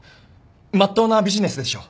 まっとうなビジネスでしょう？